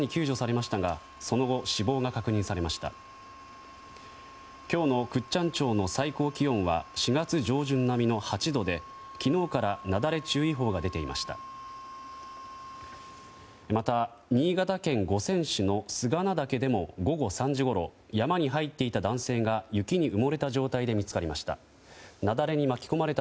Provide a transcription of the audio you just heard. また、新潟県五泉市の菅名岳でも午後３時ごろ山に入っていた男性が、雪に埋もれた状態で見つかりました。